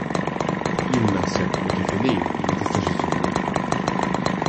Jien naħseb li kif inhi ma tistax iżżommu.